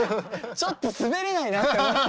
ちょっと滑れないなって思って。